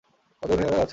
আমাদের অধিকার আছে।